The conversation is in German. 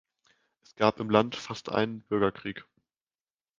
Es gab im Land fast einen Bürgerkrieg.